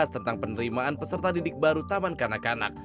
tentang penerimaan peserta didik baru taman kanak kanak